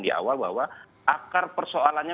di awal bahwa akar persoalannya